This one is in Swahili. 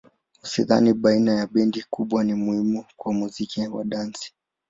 Ushindani baina ya bendi kubwa ni muhimu kwa muziki wa dansi.